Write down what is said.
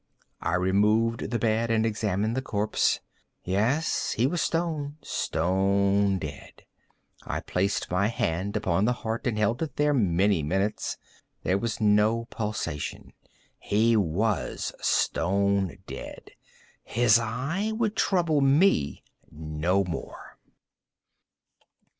I removed the bed and examined the corpse. Yes, he was stone, stone dead. I placed my hand upon the heart and held it there many minutes. There was no pulsation. He was stone dead. His eye would trouble me no more.